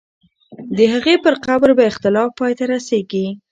د هغې پر قبر به اختلاف پای ته رسېږي.